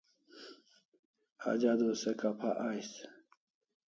Aj adua se kapha ais